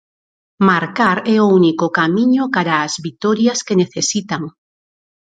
Marcar é o único camiño cara as vitorias que necesitan.